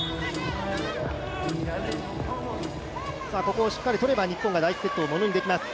ここをしっかり取れば日本が第１セットをものにできます。